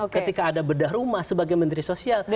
ketika ada bedah rumah sebagai menteri sosial